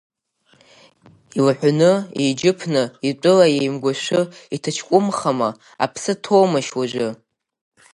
Илаҳәны, еиџьыԥны, итәыла еимгәашәы, иҭаҷкәымхама, аԥсы ҭоумашь уажәы?